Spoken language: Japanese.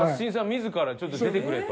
自ら「ちょっと出てくれ」と。